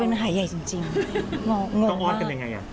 ต้องอ้อดกันอย่างไร